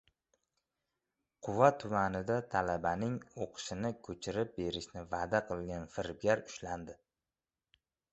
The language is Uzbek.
Quva tumanida talabaning o‘qishni ko‘chirib berishni va’da qilgan firibgar ushlandi